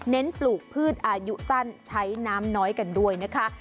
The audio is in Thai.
ปลูกพืชอายุสั้นใช้น้ำน้อยกันด้วยนะคะ